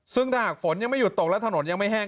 ซึ่งถ้าหากฝนยังไม่หยุดตกและถนนยังไม่แห้ง